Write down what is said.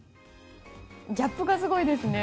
ギャップがすごいですね。